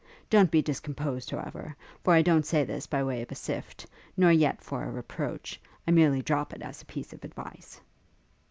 Don't be discomposed, however, for I don't say this by way of a sift, nor yet for a reproach; I merely drop it as a piece of advice.'